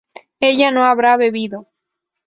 ella no habrá bebido